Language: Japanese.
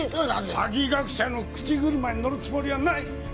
詐欺学者の口車に乗るつもりはない！